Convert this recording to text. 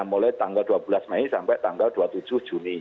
mulai tanggal dua belas mei sampai tanggal dua puluh tujuh juni